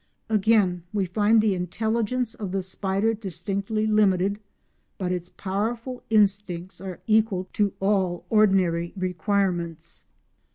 Again we find the intelligence of the spider distinctly limited, but its powerful instincts are equal to all ordinary requirements.